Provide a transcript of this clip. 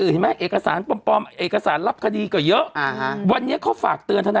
แล้วก็เขาบอกว่าคดีแตงโม